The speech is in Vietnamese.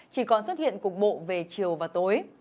chỉ còn xuất hiện cục bộ về chiều và tối